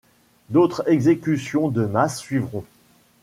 D'autres exécutions de masse suivront.